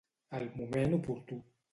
Al moment oportú.